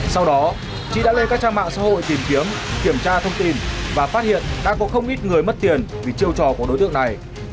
sau đó chị đã lên các trang mạng xã hội tìm kiếm kiểm tra thông tin và phát hiện đã có không ít người mất tiền vì chiêu trò của đối tượng này